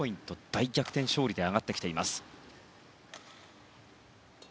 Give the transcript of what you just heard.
大逆転勝利で上がってきています。